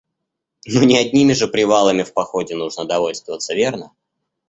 Ну не одними же привалами в походе нужно довольствоваться, верно?